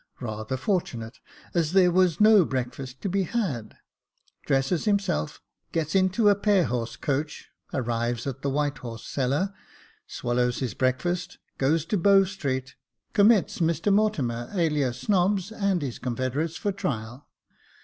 Rather fortunate, as there was no breakfast to be had. Dresses himself, gets into a pair horse coach, arrives at the White Horse Cellar, swallows his breakfast, goes to Bow Street, commits Mr Mortimer alias Snobbs, and his confederates for trial.